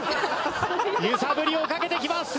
揺さぶりをかけてきます！